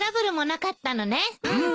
うん。